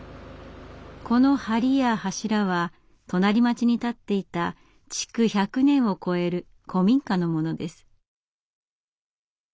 この梁や柱は隣町に建っていた築１００年を超える古民家のものです。